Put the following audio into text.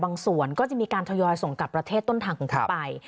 ส่วนก็จะมีการทยอยส่งกลับประเทศต้นทางของคุณไป